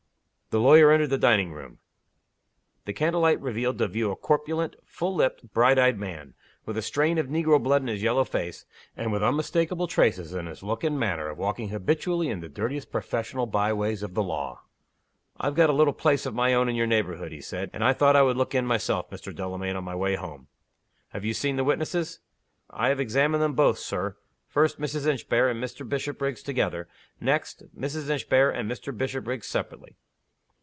The lawyer entered the dining room. The candle light revealed to view a corpulent, full lipped, bright eyed man with a strain of negro blood in his yellow face, and with unmistakable traces in his look and manner of walking habitually in the dirtiest professional by ways of the law. "I've got a little place of my own in your neighborhood," he said. "And I thought I would look in myself, Mr. Delamayn, on my way home." "Have you seen the witnesses?" "I have examined them both, Sir. First, Mrs. Inchbare and Mr. Bishopriggs together. Next, Mrs. Inchbare and Mr. Bishopriggs separately."